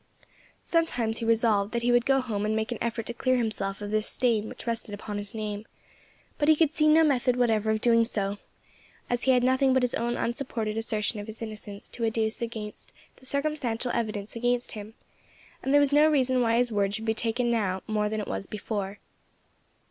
Sometimes he resolved that he would go home and make an effort to clear himself of this stain which rested upon his name; but he could see no method whatever of doing so, as he had nothing but his own unsupported assertion of his innocence to adduce against the circumstantial evidence against him, and there was no reason why his word should be taken now more than it was before.